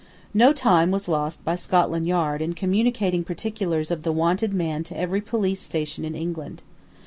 No time was lost by Scotland Yard in communicating particulars of the wanted man to every police station in England.